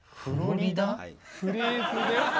フレーズで？